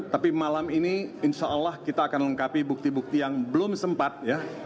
tapi malam ini insya allah kita akan lengkapi bukti bukti yang belum sempat ya